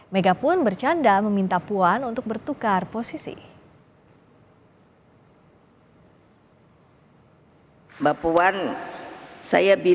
mega pun bercanda meminta puan untuk bertukar posisi